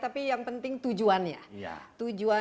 tapi yang penting tujuannya